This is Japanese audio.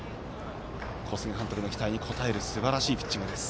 小菅監督の期待に応えるすばらしいピッチングです。